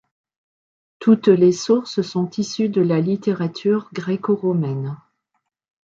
Toutes les sources sont issues de la littérature gréco-romaine.